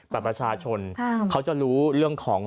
ประชาชนเขาจะรู้เรื่องของ